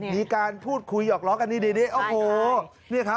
มีการพูดคุยหยอกล้อกันดีโอ้โห